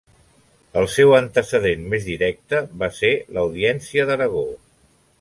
El seu antecedent més directe va ser l'Audiència d'Aragó.